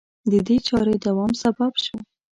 د دې چارې دوام سبب شو